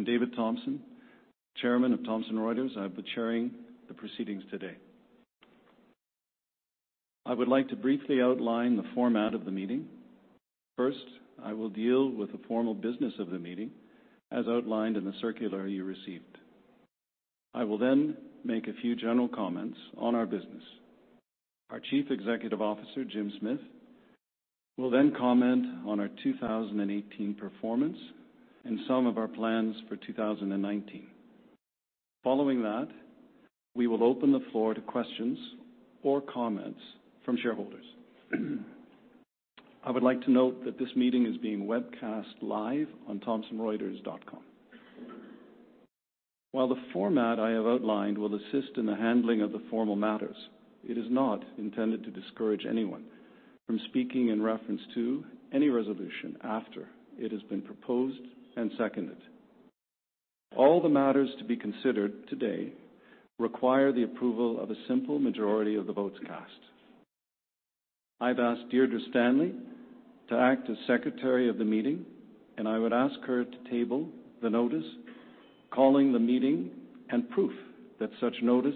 Shareholders. I'm David Thomson, Chairman of Thomson Reuters. I am chairing the proceedings today. I would like to briefly outline the format of the meeting. First, I will deal with the formal business of the meeting, as outlined in the circular you received. I will then make a few general comments on our business. Our Chief Executive Officer, Jim Smith, will then comment on our 2018 performance and some of our plans for 2019. Following that, we will open the floor to questions or comments from shareholders. I would like to note that this meeting is being webcast live on thomsonreuters.com. While the format I have outlined will assist in the handling of the formal matters, it is not intended to discourage anyone from speaking in reference to any resolution after it has been proposed and seconded. All the matters to be considered today require the approval of a simple majority of the votes cast. I've asked Deirdre Stanley to act as Secretary of the Meeting, and I would ask her to table the notice calling the meeting and proof that such notice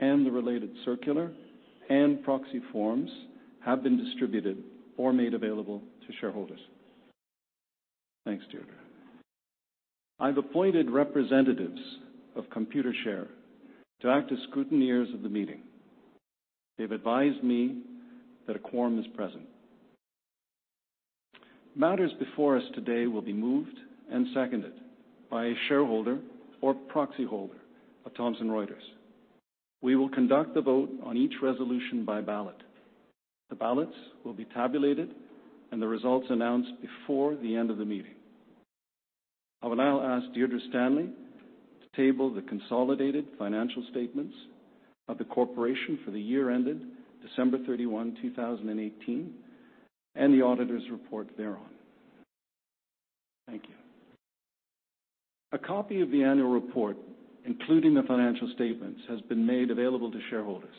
and the related circular and proxy forms have been distributed or made available to shareholders. Thanks, Deirdre. I've appointed representatives of Computershare to act as scrutineers of the meeting. They've advised me that a quorum is present. Matters before us today will be moved and seconded by a shareholder or proxy holder of Thomson Reuters. We will conduct the vote on each resolution by ballot. The ballots will be tabulated and the results announced before the end of the meeting.I will now ask Deirdre Stanley to table the consolidated financial statements of the corporation for the year ended December 31, 2018, and the auditor's report thereon. Thank you. A copy of the annual report, including the financial statements, has been made available to shareholders.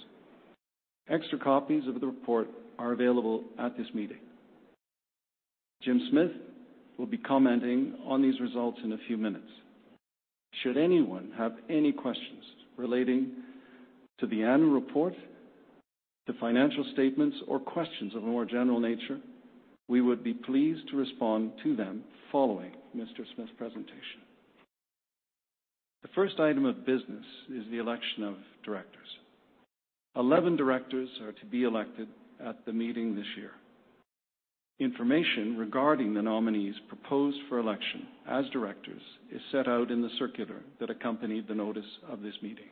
Extra copies of the report are available at this meeting. Jim Smith will be commenting on these results in a few minutes. Should anyone have any questions relating to the annual report, the financial statements, or questions of a more general nature, we would be pleased to respond to them following Mr. Smith's presentation. The first item of business is the election of directors. 11 directors are to be elected at the meeting this year. Information regarding the nominees proposed for election as directors is set out in the circular that accompanied the notice of this meeting.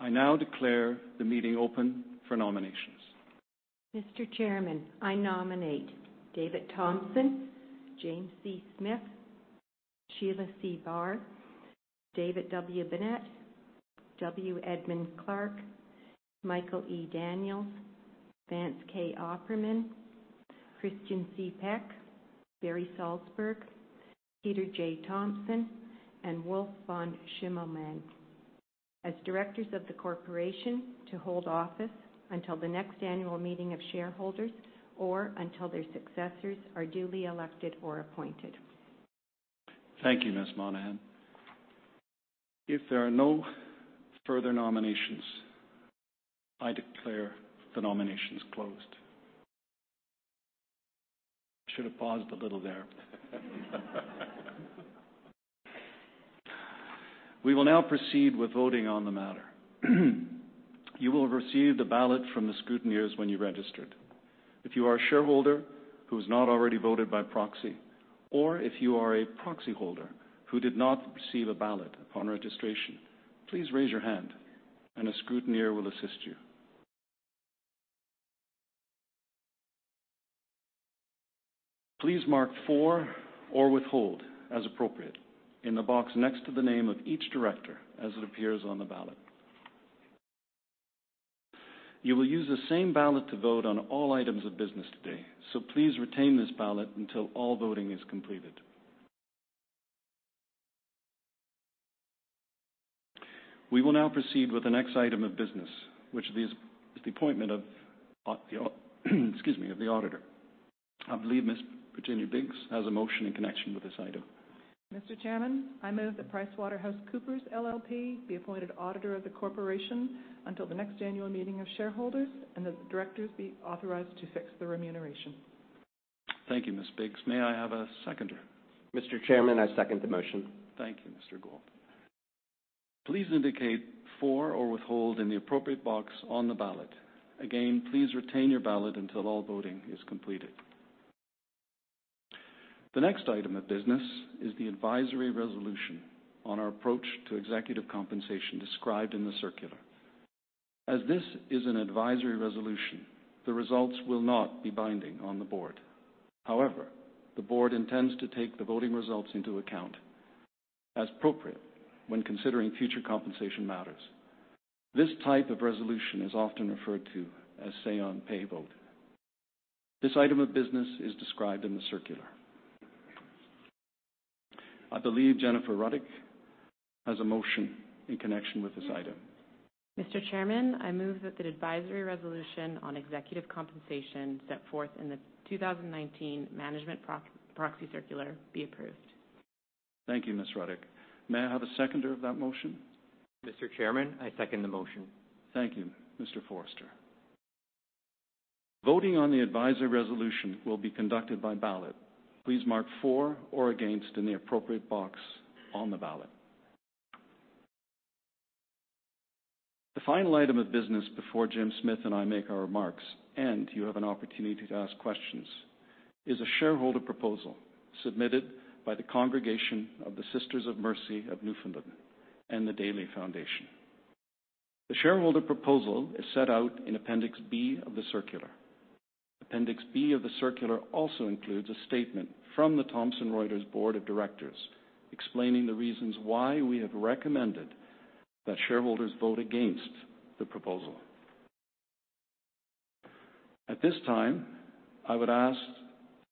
I now declare the meeting open for nominations. Mr. Chairman, I nominate David Thomson, James C. Smith, Sheila C. Bair, David W. Binet, W. Edmund Clark, Michael E. Daniels, Vance D. Coffman, Kristin C. Peck, Barry Salzberg, Peter J. Thomson, and Wulf von Schimmelmann as directors of the corporation to hold office until the next annual meeting of shareholders or until their successors are duly elected or appointed. Thank you, Ms. Monahan. If there are no further nominations, I declare the nominations closed. Should have paused a little there. We will now proceed with voting on the matter. You will have received a ballot from the scrutineers when you registered. If you are a shareholder who has not already voted by proxy, or if you are a proxy holder who did not receive a ballot upon registration, please raise your hand, and a scrutineer will assist you. Please mark for or withhold as appropriate in the box next to the name of each director as it appears on the ballot. You will use the same ballot to vote on all items of business today, so please retain this ballot until all voting is completed. We will now proceed with the next item of business, which is the appointment of the auditor. I believe Ms. Virginia Biggs has a motion in connection with this item. Mr. Chairman, I move that PricewaterhouseCoopers LLP be appointed auditor of the corporation until the next annual meeting of shareholders, and that the directors be authorized to fix the remuneration. Thank you, Ms. Biggs. May I have a seconder? Mr. Chairman, I second the motion. Thank you, Mr. Gould. Please indicate for or withhold in the appropriate box on the ballot. Again, please retain your ballot until all voting is completed. The next item of business is the advisory resolution on our approach to executive compensation described in the circular. As this is an advisory resolution, the results will not be binding on the board. However, the board intends to take the voting results into account as appropriate when considering future compensation matters. This type of resolution is often referred to as say-on-pay vote. This item of business is described in the circular. I believe Jennifer Ruddick has a motion in connection with this item. Mr. Chairman, I move that the advisory resolution on executive compensation set forth in the 2019 Management Proxy Circular be approved. Thank you, Ms. Ruddick. May I have a seconder of that motion? Mr. Chairman, I second the motion. Thank you. Mr. Forrester. Voting on the advisory resolution will be conducted by ballot. Please mark for or against in the appropriate box on the ballot. The final item of business before Jim Smith and I make our remarks, and you have an opportunity to ask questions, is a shareholder proposal submitted by the Congregation of the Sisters of Mercy of Newfoundland and the Daly Foundation. The shareholder proposal is set out in Appendix B of the circular. Appendix B of the circular also includes a statement from the Thomson Reuters Board of Directors explaining the reasons why we have recommended that shareholders vote against the proposal. At this time, I would ask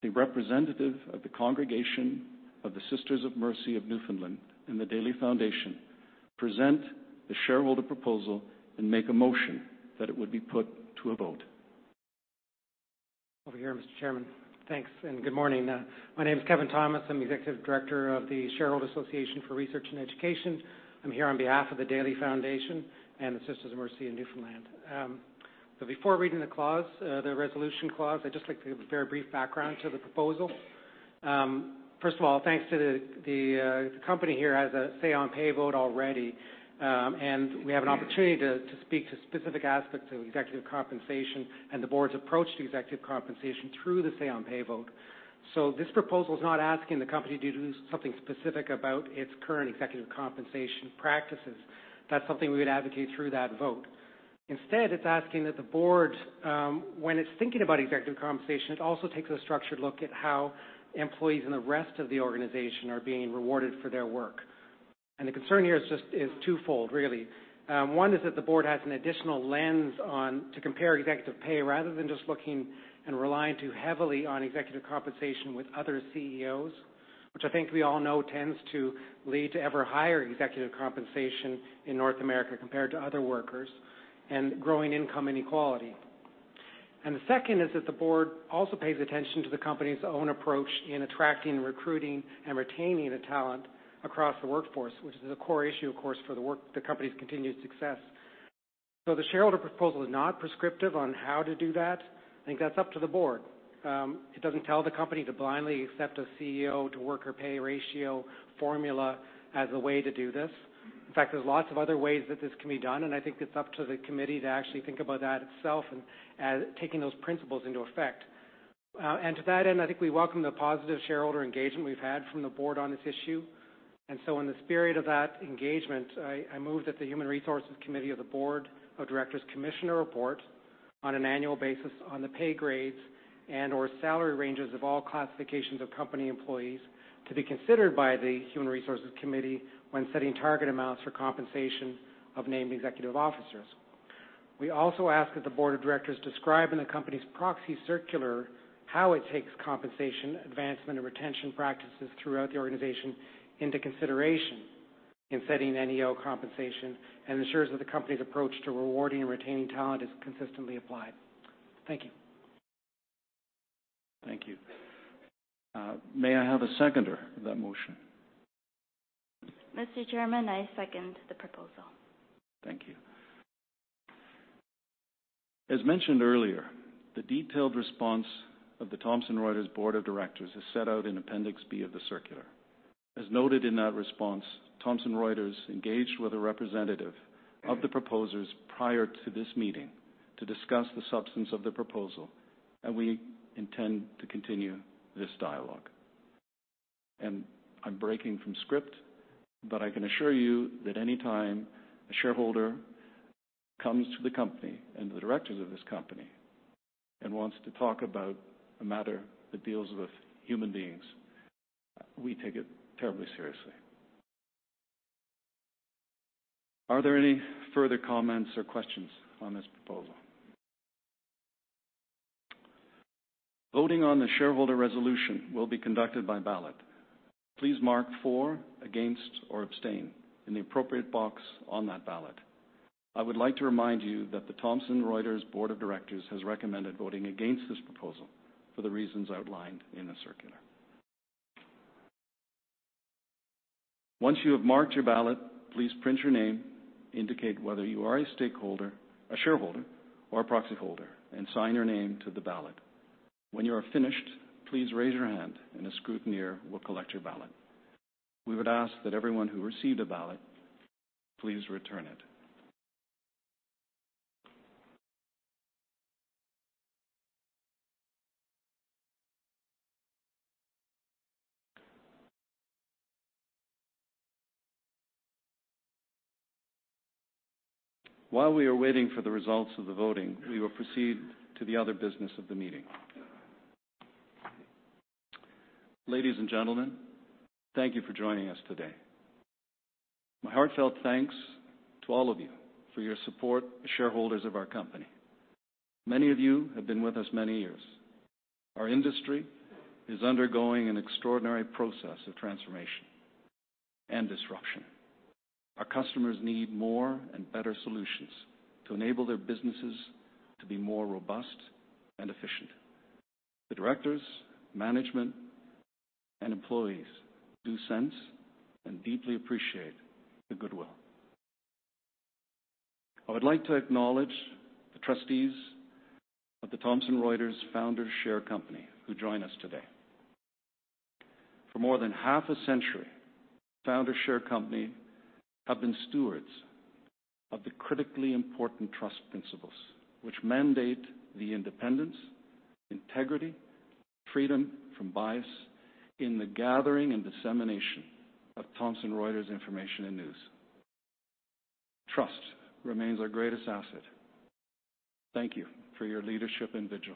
the representative of the Congregation of the Sisters of Mercy of Newfoundland and the Daly Foundation to present the shareholder proposal and make a motion that it would be put to a vote. Over here, Mr. Chairman. Thanks, and good morning. My name is Kevin Thomas. I'm the Executive Director of the Shareholder Association for Research and Education. I'm here on behalf of the Daly Foundation and the Sisters of Mercy of Newfoundland. So before reading the clause, the resolution clause, I'd just like to give a very brief background to the proposal. First of all, thanks to the company, we have a say-on-pay vote already, and we have an opportunity to speak to specific aspects of executive compensation and the board's approach to executive compensation through the say-on-pay vote. So this proposal is not asking the company to do something specific about its current executive compensation practices. That's something we would advocate through that vote. Instead, it's asking that the board, when it's thinking about executive compensation, it also takes a structured look at how employees in the rest of the organization are being rewarded for their work. And the concern here is twofold, really. One is that the board has an additional lens to compare executive pay rather than just looking and relying too heavily on executive compensation with other CEOs, which I think we all know tends to lead to ever higher executive compensation in North America compared to other workers and growing income inequality. And the second is that the board also pays attention to the company's own approach in attracting, recruiting, and retaining the talent across the workforce, which is a core issue, of course, for the company's continued success. So the shareholder proposal is not prescriptive on how to do that. I think that's up to the board. It doesn't tell the company to blindly accept a CEO to worker pay ratio formula as a way to do this. In fact, there's lots of other ways that this can be done, and I think it's up to the committee to actually think about that itself and taking those principles into effect. And to that end, I think we welcome the positive shareholder engagement we've had from the board on this issue. And so in the spirit of that engagement, I move that the Human Resources Committee of the Board of Directors commission a report on an annual basis on the pay grades and/or salary ranges of all classifications of company employees to be considered by the Human Resources Committee when setting target amounts for compensation of named executive officers. We also ask that the Board of Directors describe in the company's proxy circular how it takes compensation advancement and retention practices throughout the organization into consideration in setting NEO compensation and ensures that the company's approach to rewarding and retaining talent is consistently applied. Thank you. Thank you. May I have a seconder of that motion? Mr. Chairman, I second the proposal. Thank you. As mentioned earlier, the detailed response of the Thomson Reuters Board of Directors is set out in Appendix B of the circular. As noted in that response, Thomson Reuters engaged with a representative of the proposers prior to this meeting to discuss the substance of the proposal, and we intend to continue this dialogue. And I'm breaking from script, but I can assure you that anytime a shareholder comes to the company and the directors of this company and wants to talk about a matter that deals with human beings, we take it terribly seriously. Are there any further comments or questions on this proposal? Voting on the shareholder resolution will be conducted by ballot. Please mark for, against, or abstain in the appropriate box on that ballot. I would like to remind you that the Thomson Reuters Board of Directors has recommended voting against this proposal for the reasons outlined in the circular. Once you have marked your ballot, please print your name, indicate whether you are a stakeholder, a shareholder, or a proxy holder, and sign your name to the ballot. When you are finished, please raise your hand, and a scrutineer will collect your ballot. We would ask that everyone who received a ballot please return it. While we are waiting for the results of the voting, we will proceed to the other business of the meeting. Ladies and gentlemen, thank you for joining us today. My heartfelt thanks to all of you for your support as shareholders of our company. Many of you have been with us many years. Our industry is undergoing an extraordinary process of transformation and disruption. Our customers need more and better solutions to enable their businesses to be more robust and efficient. The directors, management, and employees do sense and deeply appreciate the goodwill. I would like to acknowledge the trustees of the Thomson Reuters Founders Share Company who join us today. For more than half a century, Founders Share Company have been stewards of the critically important Trust Principles, which mandate the independence, integrity, and freedom from bias in the gathering and dissemination of Thomson Reuters information and news. Trust remains our greatest asset. Thank you for your leadership and vigil.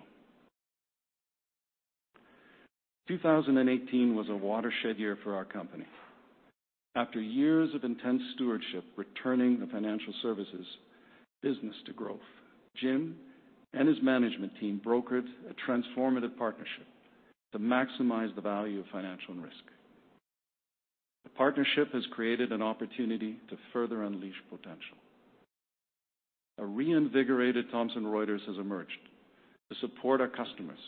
2018 was a watershed year for our company. After years of intense stewardship returning the financial services business to growth, Jim and his management team brokered a transformative partnership to maximize the value of Financial & Risk. The partnership has created an opportunity to further unleash potential. A reinvigorated Thomson Reuters has emerged to support our customers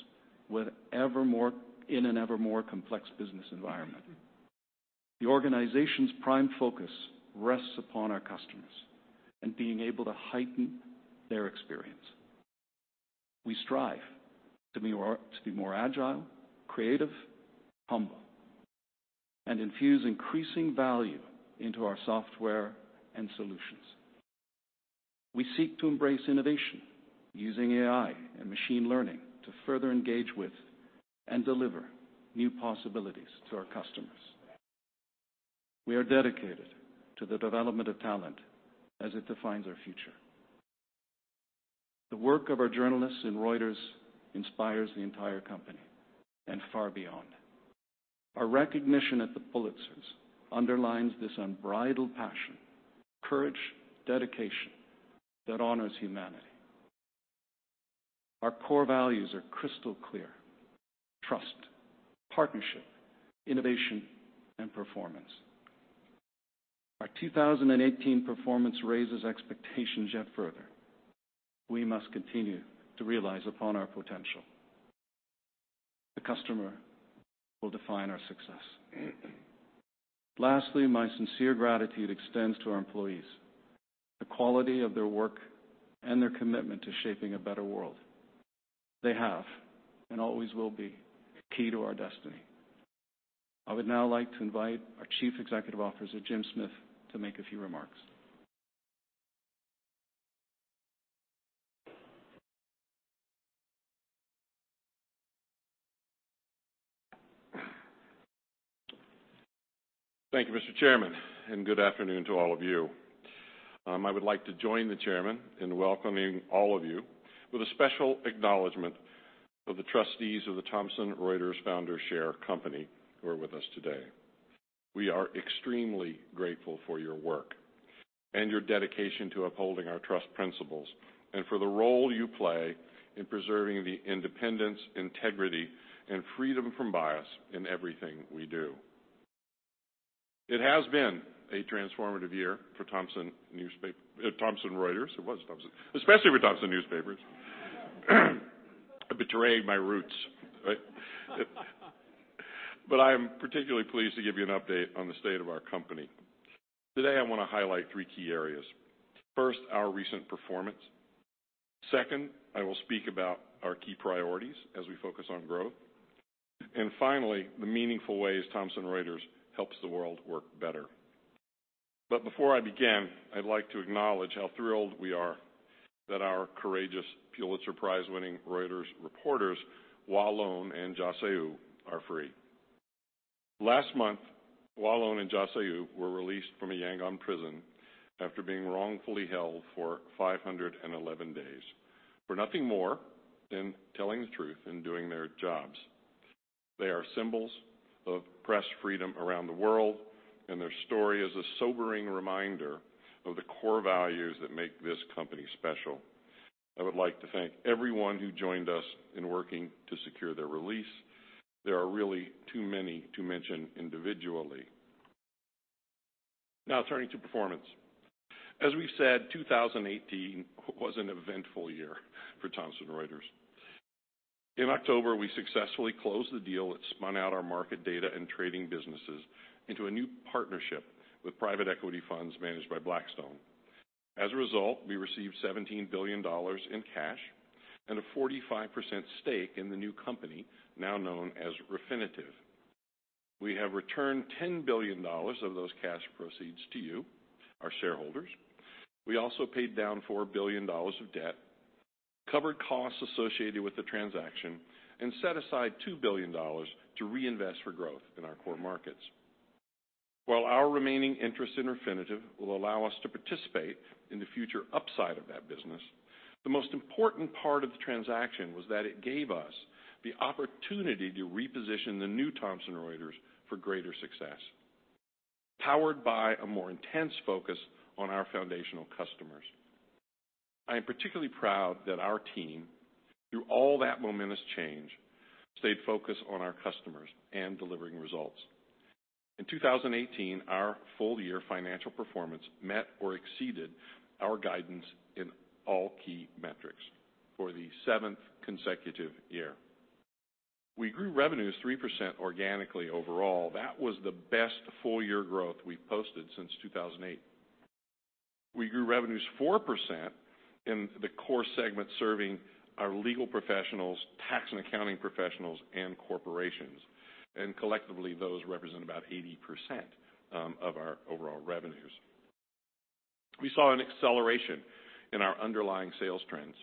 in an ever more complex business environment. The organization's prime focus rests upon our customers and being able to heighten their experience. We strive to be more agile, creative, humble, and infuse increasing value into our software and solutions. We seek to embrace innovation using AI and machine learning to further engage with and deliver new possibilities to our customers. We are dedicated to the development of talent as it defines our future. The work of our journalists and Reuters inspires the entire company and far beyond. Our recognition at the Pulitzers underlines this unbridled passion, courage, dedication that honors humanity. Our core values are crystal clear: trust, partnership, innovation, and performance. Our 2018 performance raises expectations yet further. We must continue to realize upon our potential. The customer will define our success. Lastly, my sincere gratitude extends to our employees, the quality of their work, and their commitment to shaping a better world. They have and always will be key to our destiny. I would now like to invite our Chief Executive Officer, Jim Smith, to make a few remarks. Thank you, Mr. Chairman, and good afternoon to all of you. I would like to join the Chairman in welcoming all of you with a special acknowledgment of the trustees of the Thomson Reuters Founders Share Company who are with us today. We are extremely grateful for your work and your dedication to upholding our Trust Principles, and for the role you play in preserving the independence, integrity, and freedom from bias in everything we do. It has been a transformative year for Thomson Reuters. It was Thomson, especially for Thomson Newspapers. I betrayed my roots. But I am particularly pleased to give you an update on the state of our company. Today, I want to highlight three key areas. First, our recent performance. Second, I will speak about our key priorities as we focus on growth. And finally, the meaningful ways Thomson Reuters helps the world work better. But before I begin, I'd like to acknowledge how thrilled we are that our courageous Pulitzer Prize-winning Reuters reporters, Wa Lone and Kyaw Soe Oo, are free. Last month, Wa Lone and Kyaw Soe Oo were released from a Yangon prison after being wrongfully held for 511 days for nothing more than telling the truth and doing their jobs. They are symbols of press freedom around the world, and their story is a sobering reminder of the core values that make this company special. I would like to thank everyone who joined us in working to secure their release. There are really too many to mention individually. Now, turning to performance. As we've said, 2018 was an eventful year for Thomson Reuters. In October, we successfully closed the deal that spun out our market data and trading businesses into a new partnership with private equity funds managed by Blackstone. As a result, we received $17 billion in cash and a 45% stake in the new company now known as Refinitiv. We have returned $10 billion of those cash proceeds to you, our shareholders. We also paid down $4 billion of debt, covered costs associated with the transaction, and set aside $2 billion to reinvest for growth in our core markets. While our remaining interest in Refinitiv will allow us to participate in the future upside of that business, the most important part of the transaction was that it gave us the opportunity to reposition the new Thomson Reuters for greater success, powered by a more intense focus on our foundational customers. I am particularly proud that our team, through all that momentous change, stayed focused on our customers and delivering results. In 2018, our full-year financial performance met or exceeded our guidance in all key metrics for the seventh consecutive year. We grew revenues 3% organically overall. That was the best full-year growth we've posted since 2008. We grew revenues 4% in the core segment serving our legal professionals, tax and accounting professionals, and corporations. And collectively, those represent about 80% of our overall revenues. We saw an acceleration in our underlying sales trends,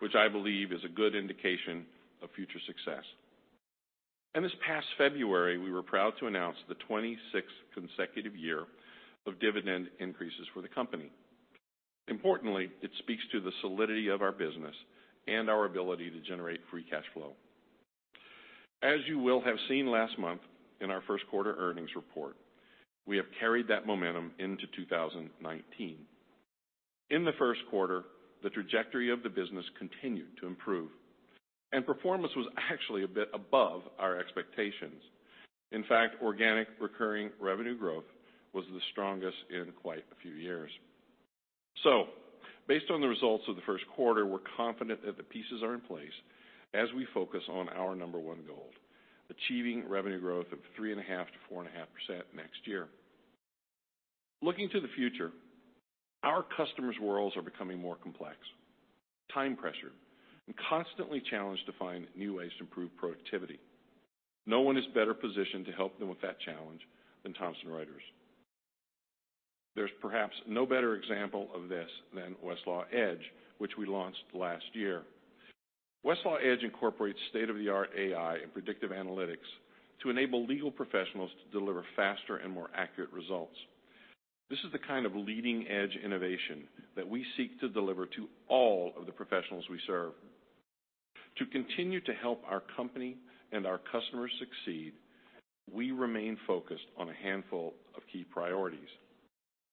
which I believe is a good indication of future success. And this past February, we were proud to announce the 26th consecutive year of dividend increases for the company. Importantly, it speaks to the solidity of our business and our ability to generate free cash flow. As you will have seen last month in our first quarter earnings report, we have carried that momentum into 2019. In the first quarter, the trajectory of the business continued to improve, and performance was actually a bit above our expectations. In fact, organic recurring revenue growth was the strongest in quite a few years. So, based on the results of the first quarter, we're confident that the pieces are in place as we focus on our number one goal: achieving revenue growth of 3.5%-4.5% next year. Looking to the future, our customers' worlds are becoming more complex, time pressured, and constantly challenged to find new ways to improve productivity. No one is better positioned to help them with that challenge than Thomson Reuters. There's perhaps no better example of this than Westlaw Edge, which we launched last year. Westlaw Edge incorporates state-of-the-art AI and predictive analytics to enable legal professionals to deliver faster and more accurate results. This is the kind of leading-edge innovation that we seek to deliver to all of the professionals we serve. To continue to help our company and our customers succeed, we remain focused on a handful of key priorities.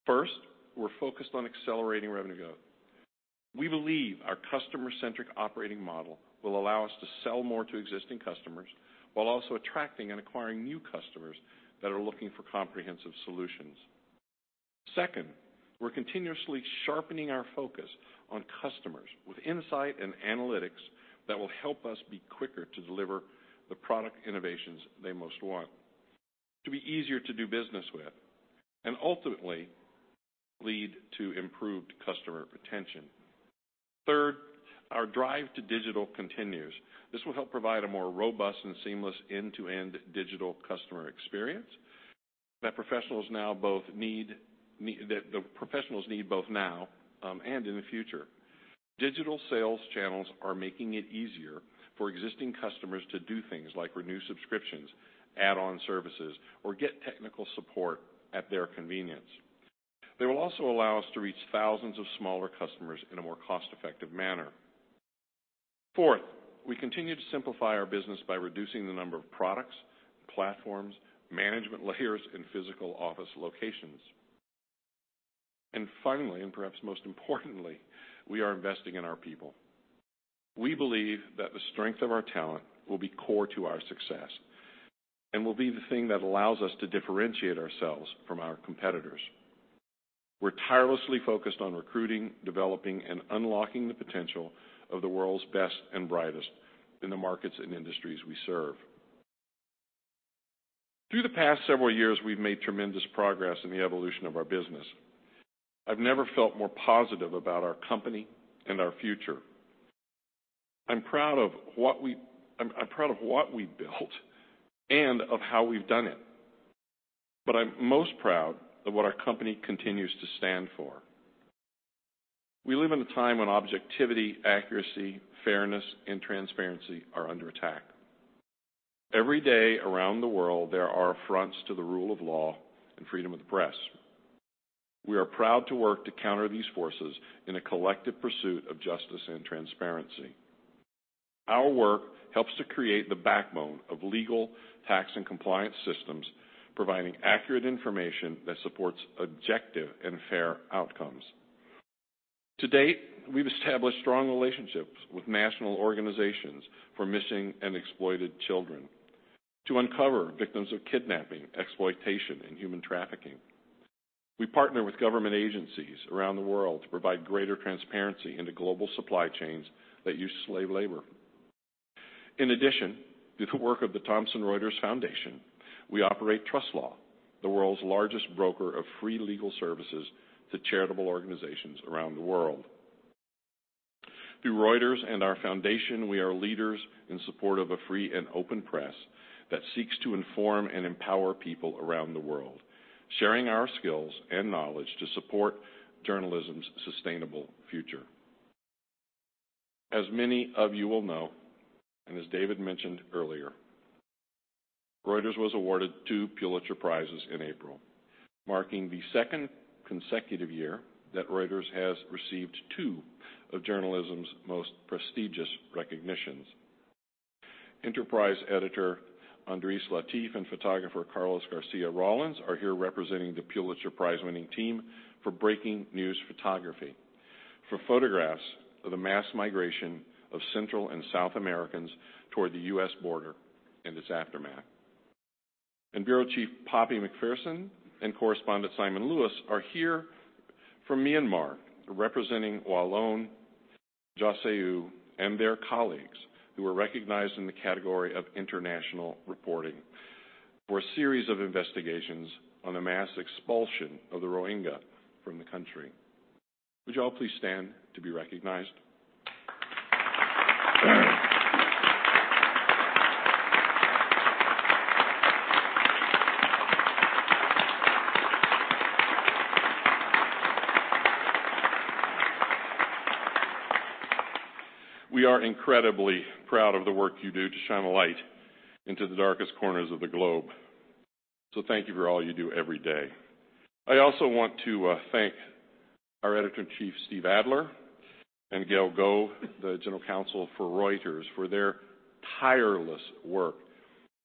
First, we're focused on accelerating revenue growth. We believe our customer-centric operating model will allow us to sell more to existing customers while also attracting and acquiring new customers that are looking for comprehensive solutions. Second, we're continuously sharpening our focus on customers with insight and analytics that will help us be quicker to deliver the product innovations they most want, to be easier to do business with, and ultimately lead to improved customer retention. Third, our drive to digital continues. This will help provide a more robust and seamless end-to-end digital customer experience that the professionals need both now and in the future. Digital sales channels are making it easier for existing customers to do things like renew subscriptions, add-on services, or get technical support at their convenience. They will also allow us to reach thousands of smaller customers in a more cost-effective manner. Fourth, we continue to simplify our business by reducing the number of products, platforms, management layers, and physical office locations. And finally, and perhaps most importantly, we are investing in our people. We believe that the strength of our talent will be core to our success and will be the thing that allows us to differentiate ourselves from our competitors. We're tirelessly focused on recruiting, developing, and unlocking the potential of the world's best and brightest in the markets and industries we serve. Through the past several years, we've made tremendous progress in the evolution of our business. I've never felt more positive about our company and our future. I'm proud of what we've built and of how we've done it. But I'm most proud of what our company continues to stand for. We live in a time when objectivity, accuracy, fairness, and transparency are under attack. Every day around the world, there are fronts to the rule of law and freedom of the press. We are proud to work to counter these forces in a collective pursuit of justice and transparency. Our work helps to create the backbone of legal, tax, and compliance systems, providing accurate information that supports objective and fair outcomes. To date, we've established strong relationships with national organizations for missing and exploited children to uncover victims of kidnapping, exploitation, and human trafficking. We partner with government agencies around the world to provide greater transparency into global supply chains that use slave labor. In addition, through the work of the Thomson Reuters Foundation, we operate TrustLaw, the world's largest broker of free legal services to charitable organizations around the world. Through Reuters and our foundation, we are leaders in support of a free and open press that seeks to inform and empower people around the world, sharing our skills and knowledge to support journalism's sustainable future. As many of you will know, and as David mentioned earlier, Reuters was awarded two Pulitzer Prizes in April, marking the second consecutive year that Reuters has received two of journalism's most prestigious recognitions. Enterprise editor Adrees Latif and photographer Carlos Garcia Rawlins are here representing the Pulitzer Prize-winning team for Breaking News Photography, for photographs of the mass migration of Central and South Americans toward the U.S. border and its aftermath. Bureau Chief Poppy McPherson and correspondent Simon Lewis are here from Myanmar, representing Wa Lone, Kyaw Soe Oo, and their colleagues who were recognized in the category of International Reporting for a series of investigations on the mass expulsion of the Rohingya from the country. Would you all please stand to be recognized? We are incredibly proud of the work you do to shine a light into the darkest corners of the globe. So thank you for all you do every day. I also want to thank our Editor-in-Chief, Steve Adler, and Gail Give, the General Counsel for Reuters, for their tireless work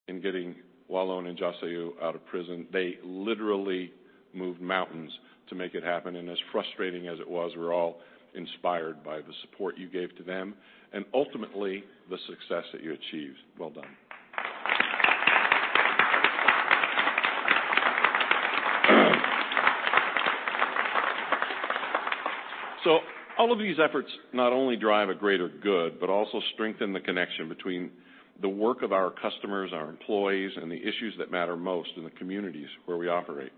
in getting Wa Lone and Kyaw Soe Oo out of prison. They literally moved mountains to make it happen. And as frustrating as it was, we're all inspired by the support you gave to them and ultimately the success that you achieved. Well done. So all of these efforts not only drive a greater good, but also strengthen the connection between the work of our customers, our employees, and the issues that matter most in the communities where we operate.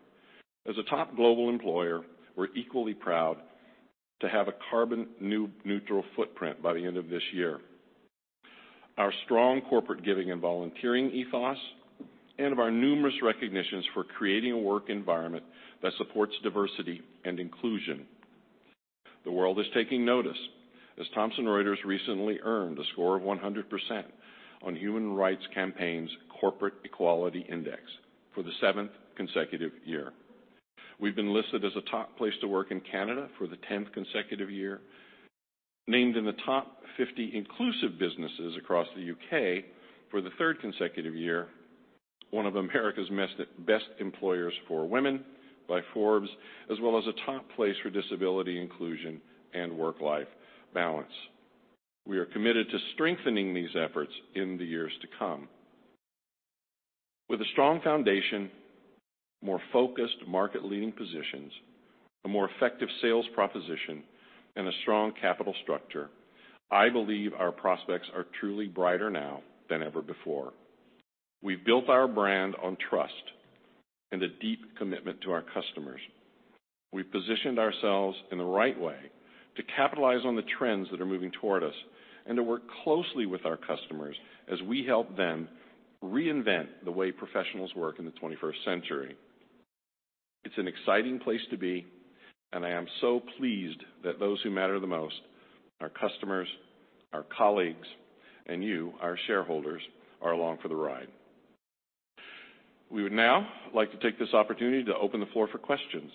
As a top global employer, we're equally proud to have a carbon neutral footprint by the end of this year. Our strong corporate giving and volunteering ethos and our numerous recognitions for creating a work environment that supports diversity and inclusion. The world is taking notice as Thomson Reuters recently earned a score of 100% on Human Rights Campaign's Corporate Equality Index for the seventh consecutive year. We've been listed as a top place to work in Canada for the tenth consecutive year, named in the top 50 inclusive businesses across the U.K. for the third consecutive year, one of America's Best Employers for Women by Forbes, as well as a top place for disability inclusion and work-life balance. We are committed to strengthening these efforts in the years to come. With a strong foundation, more focused market-leading positions, a more effective sales proposition, and a strong capital structure, I believe our prospects are truly brighter now than ever before. We've built our brand on trust and a deep commitment to our customers. We've positioned ourselves in the right way to capitalize on the trends that are moving toward us and to work closely with our customers as we help them reinvent the way professionals work in the 21st century. It's an exciting place to be, and I am so pleased that those who matter the most, our customers, our colleagues, and you, our shareholders, are along for the ride. We would now like to take this opportunity to open the floor for questions.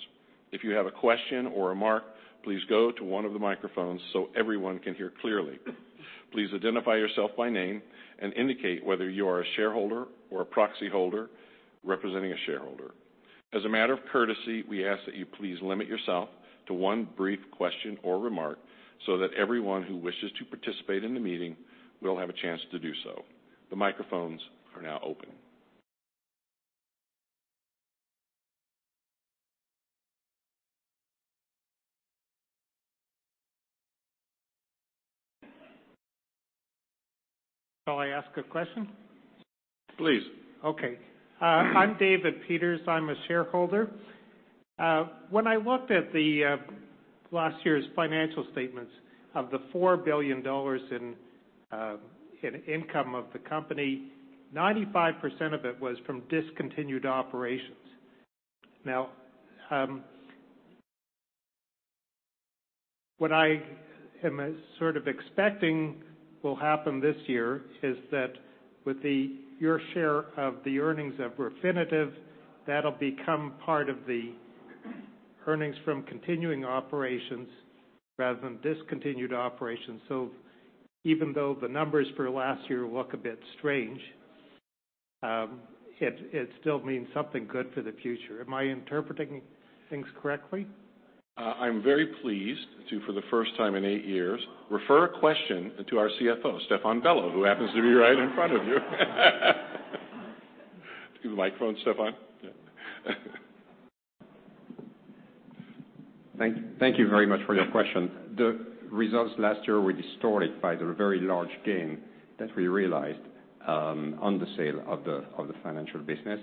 If you have a question or a remark, please go to one of the microphones so everyone can hear clearly. Please identify yourself by name and indicate whether you are a shareholder or a proxy holder representing a shareholder. As a matter of courtesy, we ask that you please limit yourself to one brief question or remark so that everyone who wishes to participate in the meeting will have a chance to do so. The microphones are now open. Shall I ask a question? Please. Okay. I'm David Peters. I'm a shareholder. When I looked at last year's financial statements of the $4 billion in income of the company, 95% of it was from discontinued operations. Now, what I am sort of expecting will happen this year is that with your share of the earnings of Refinitiv, that'll become part of the earnings from continuing operations rather than discontinued operations. So even though the numbers for last year look a bit strange, it still means something good for the future. Am I interpreting things correctly? I'm very pleased to, for the first time in eight years, refer a question to our CFO, Stéphane Bello, who happens to be right in front of you. Give the microphone to Stéphane. Thank you very much for your question. The results last year were distorted by the very large gain that we realized on the sale of the financial business,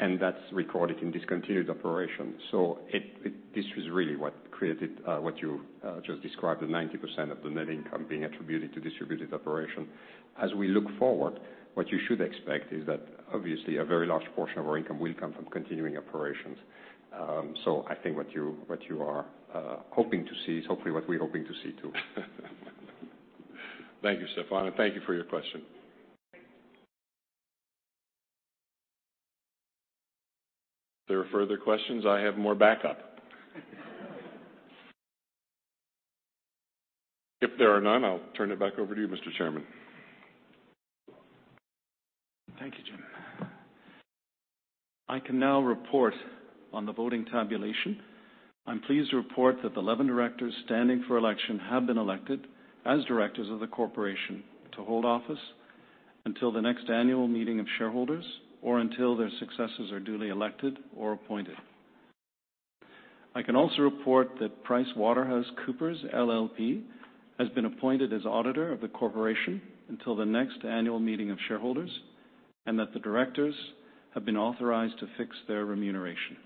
and that's recorded in discontinued operations. So this was really what created what you just described, the 90% of the net income being attributed to discontinued operations. As we look forward, what you should expect is that, obviously, a very large portion of our income will come from continuing operations. So I think what you are hoping to see is hopefully what we're hoping to see too. Thank you, Stéphane. And thank you for your question. Is there further questions? I have more backup. If there are none, I'll turn it back over to you, Mr. Chairman. Thank you, Jim. I can now report on the voting tabulation. I'm pleased to report that the 11 directors standing for election have been elected as directors of the corporation to hold office until the next annual meeting of shareholders or until their successors are duly elected or appointed. I can also report that PricewaterhouseCoopers LLP has been appointed as auditor of the corporation until the next annual meeting of shareholders and that the directors have been authorized to fix their remuneration.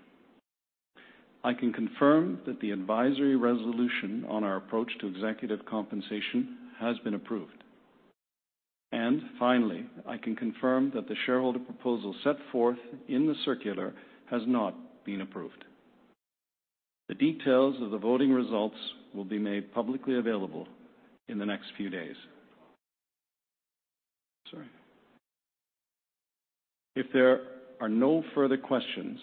I can confirm that the advisory resolution on our approach to executive compensation has been approved, and finally, I can confirm that the shareholder proposal set forth in the circular has not been approved. The details of the voting results will be made publicly available in the next few days. Sorry. If there are no further questions,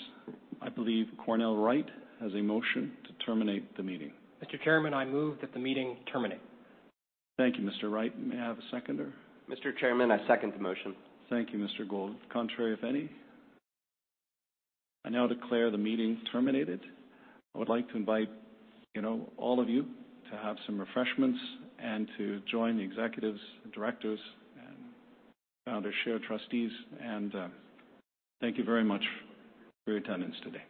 I believe Cornell Wright has a motion to terminate the meeting. Mr. Chairman, I move that the meeting terminate. Thank you, Mr. Wright. May I have a seconder? Mr. Chairman, I second the motion. Thank you, Mr. Gould. Contrary, if any? I now declare the meeting terminated. I would like to invite all of you to have some refreshments and to join the executives, directors, and Founders Share Trustees. Thank you very much for your attendance today.